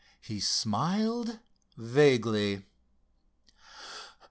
He smiled vaguely.